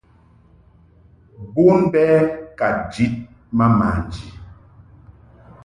Bon bɛ ka njid ma manji.